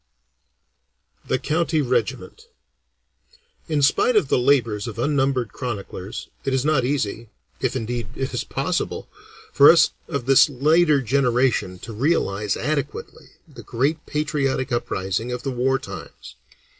THE COUNTY REGIMENT In spite of the labors of unnumbered chroniclers, it is not easy, if indeed it is possible, for us of this later generation to realize adequately the great patriotic uprising of the war times.